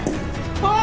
おい！